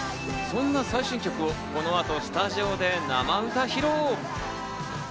そんな最新曲をこの後スタジオで生歌披露。